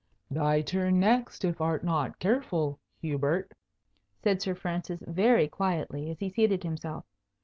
"Thy turn next, if art not careful, Hubert," said Sir Francis very quietly, as he seated himself.